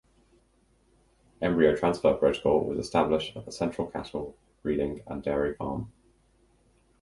Embryo transfer protocol was established at the Central Cattle Breeding and Dairy Farm.